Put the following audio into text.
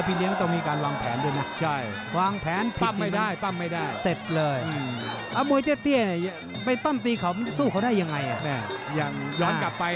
ค่ะย้อนกลับไปหลักหายซ่องใจน้อยป่าทรวงสิ่งด้านไป